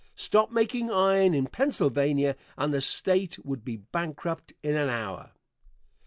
Stop making iron in Pennsylvania, and the State would be bankrupt in an hour.